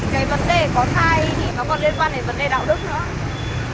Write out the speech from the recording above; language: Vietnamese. cái vấn đề có thai thì nó còn liên quan đến vấn đề đạo đức nữa